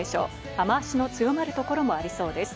雨脚の強まるところもありそうです。